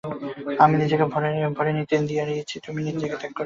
আমি নিজেকে ভরে নিতে দাঁড়িয়েছি, তুমি নিজেকে ত্যাগ করতে দাঁড়িয়েছ।